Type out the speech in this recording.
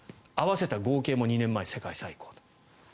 合わせた合計も２年前に世界最高。